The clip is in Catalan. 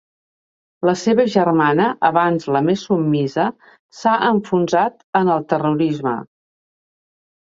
La seva germana, abans la més submisa, s'ha enfonsat en el terrorisme.